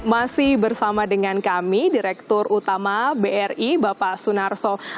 masih bersama dengan kami direktur utama bri bapak sunarso